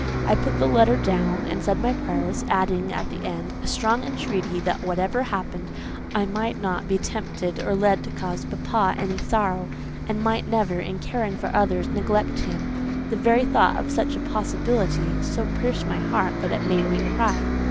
I put the letter down and said my prayers, adding, at the end, a strong entreaty that whatever happened, I might not be tempted or led to cause papa any sorrow, and might never, in caring for others, neglect him. The very thought of such a possibility, so pierced my heart that it made me cry.